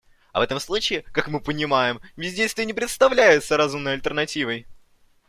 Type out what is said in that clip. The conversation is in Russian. А в этом случае, как мы понимаем, бездействие не представляется разумной альтернативой.